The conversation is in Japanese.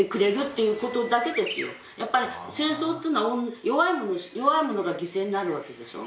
やっぱり戦争っていうのは弱い者が犠牲になるわけでしょう。